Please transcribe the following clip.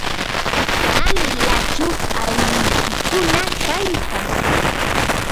¿Alilachu aylluykikuna kaykan?